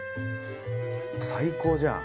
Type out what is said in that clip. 最高じゃん。